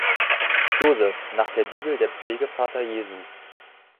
Josef, nach der Bibel der Pflegevater Jesu.